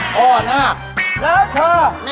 พ่อหน้า